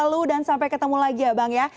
lalu dan sampai ketemu lagi ya bang ya